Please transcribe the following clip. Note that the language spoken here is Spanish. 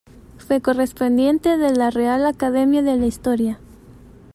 Fue correspondiente de la Real Academia de la Historia.